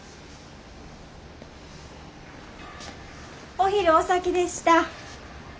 お昼お先でした。